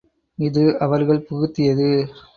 இது அவர்கள் புகுத்தியது.